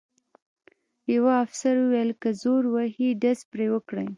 یوه افسر وویل: که زور وهي ډز پرې وکړئ.